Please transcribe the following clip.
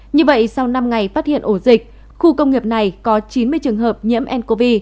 như vậy sau năm ngày phát hiện ổ dịch khu công nghiệp này có chín mươi trường hợp nhiễm ncov